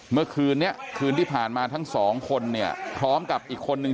เมื่อคืนนี้คืนที่ผ่านมาทั้งสองคนเนี่ยพร้อมกับอีกคนนึง